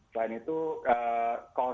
selain itu kontrolinya